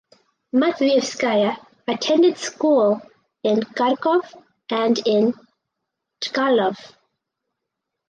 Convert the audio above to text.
Matviyevskaya attended school in Kharkov and in Chkalov.